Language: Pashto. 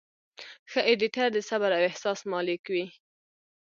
ښه ایډیټر د صبر او احساس مالک وي.